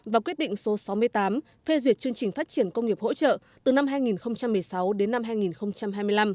và quyết định số sáu mươi tám phê duyệt chương trình phát triển công nghiệp hỗ trợ từ năm hai nghìn một mươi sáu đến năm hai nghìn hai mươi năm